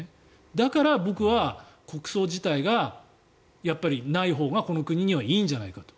だから僕は国葬自体がないほうがこの国にはいいんじゃないかと。